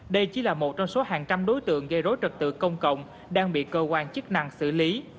đây chỉ là một trong số hàng trăm đối tượng gây rối trật tự công cộng đang bị cơ quan chức năng xử lý